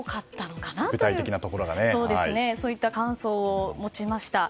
そういった感想を持ちました。